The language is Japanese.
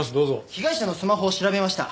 被害者のスマホを調べました。